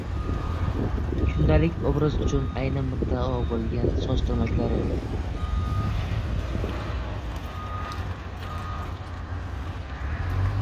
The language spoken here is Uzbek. Kundalik obraz uchun ayni muddao bo‘lgan soch turmaklari